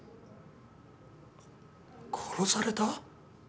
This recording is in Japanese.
殺された！？